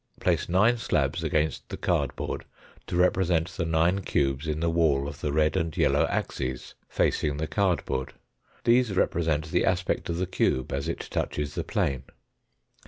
Place nine slabs against the cardboard to represent the nine cubes in the wall of the red and yellow axes, facing the cardboard ; these represent the aspect of the cube as it touches the plane.